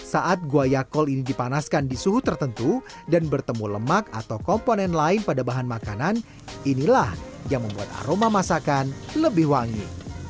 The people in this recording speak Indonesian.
saat guayakol ini dipanaskan di suhu tertentu dan bertemu lemak atau komponen lain pada bahan makanan inilah yang membuat aroma masakan lebih wangi